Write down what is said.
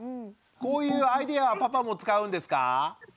こういうアイデアはパパも使うんですか？